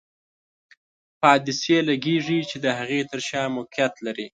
په عدسیې لګیږي چې د هغې تر شا موقعیت لري.